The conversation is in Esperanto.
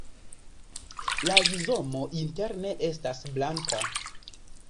La rizomo interne estas blanka.